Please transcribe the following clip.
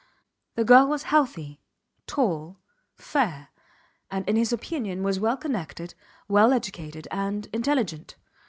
The girl was healthy, tall, fair, and in his opinion was well connected, well educated and intelligent.